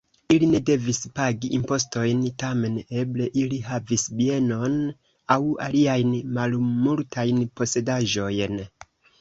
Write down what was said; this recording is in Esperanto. Ili ne devis pagi impostojn, tamen eble ili havis bienon aŭ aliajn malmultajn posedaĵojn.